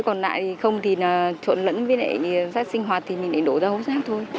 còn lại thì không thì là trộn lẫn với lại rác sinh hoạt thì mình lại đổ ra vóc rác thôi